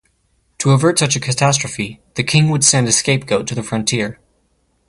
To avert such a catastrophe, the king would send a scapegoat to the frontier.